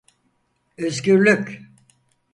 Özgürlük!